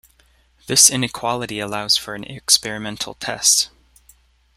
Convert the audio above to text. This inequality allows for an experimental test.